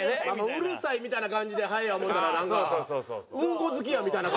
うるさいみたいな感じでハエや思うたらなんかうんこ好きやみたいな感じになって。